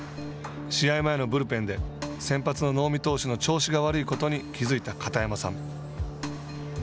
試合前のブルペンで先発の能見投手の調子が悪いことに気付いた片山さん。